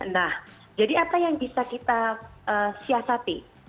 nah jadi apa yang bisa kita siasati